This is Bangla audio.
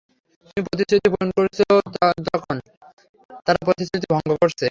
তুমি প্রতিশ্রুতি পূরণ করেছো যখন তারা প্রতিশ্রুতি ভঙ্গ করেছে।